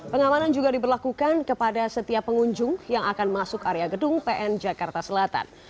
pengamanan juga diberlakukan kepada setiap pengunjung yang akan masuk area gedung pn jakarta selatan